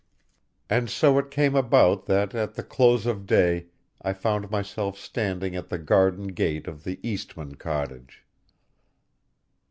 And so it came about that at the close of day I found myself standing at the garden gate of the Eastmann cottage.